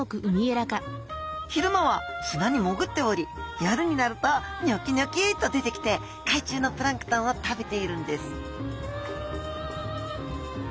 昼間は砂にもぐっており夜になるとニョキニョキッと出てきて海中のプランクトンを食べているんです